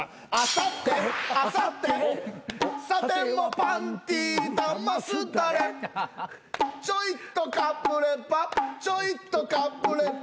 「さてさてさてもパンティー玉すだれ」「ちょいとかぶればちょいとかぶれば」